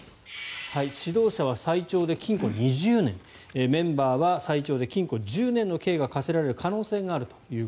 指導者は最長で禁錮２０年メンバーは最長で禁錮１０年の刑が科せられる可能性があると。